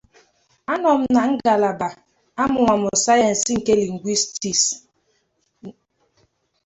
nke e dozigharịrị edozigharị ma mee ka ọ dịkwa ọhụụ.